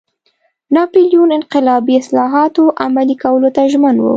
ناپلیون انقلابي اصلاحاتو عملي کولو ته ژمن و.